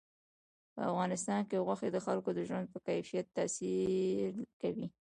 په افغانستان کې غوښې د خلکو د ژوند په کیفیت تاثیر کوي.